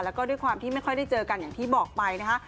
แล้วก็ด้วยความที่ไม่ค่อยได้เจอกันอย่างที่บอกไปนะคะ